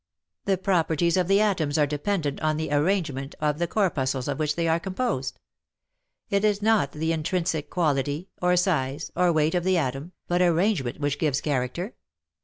The properties 236 WAR AND WOMEN of the atoms are dependent on the arrangement of the corpuscles of which they are composed. It is not the intrinsic quaHty, or size, or weight of the atom, but ar^^angement which gives character.